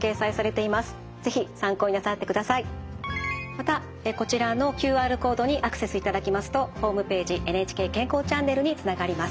またこちらのＱＲコードにアクセスいただきますとホームページ「ＮＨＫ健康チャンネル」につながります。